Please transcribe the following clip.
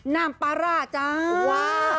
น้ำปลาร่าจ้าว